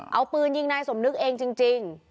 เอาปืนยิงนายสมนึกเองจริง